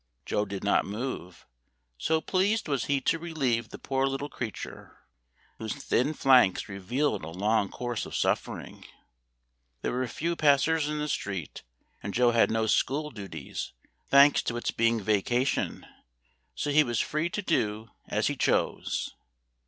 Joe did not move, so pleased was he to relieve the poor little creature, whose thin flanks revealed a long course of suffering. There were few passers in the street, and Joe had no school duties, thanks to its being vacation, so he was free to do as he chose.